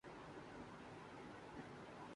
میں کس کے ہاتھ پر اپنا لہو تلاش کروں